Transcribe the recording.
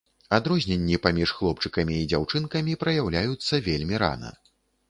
Адрозненні паміж хлопчыкамі і дзяўчынкамі праяўляюцца вельмі рана.